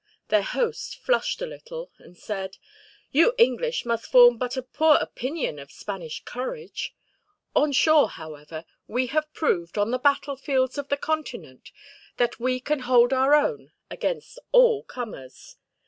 Their host flushed a little, and said: "You English must form but a poor opinion of Spanish courage. On shore, however, we have proved, on the battlefields of the Continent, that we can hold our own against all comers.